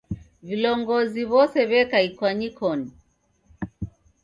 Vilongozi w'ose w'eka ikwanyikonyi